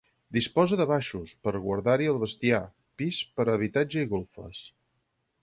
Disposa de baixos, per guardar-hi el bestiar, pis per a habitatge i golfes.